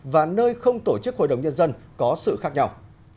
và nơi không tổ chức hội đồng nhân dân có sự khác nhau